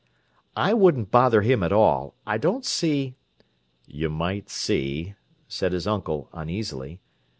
"I wouldn't bother him at all. I don't see—" "You might see," said his uncle uneasily.